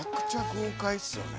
豪快っすよね